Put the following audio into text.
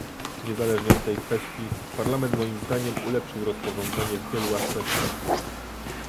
Niezależnie od tej kwestii, Parlament moim zdaniem ulepszył rozporządzenie w wielu aspektach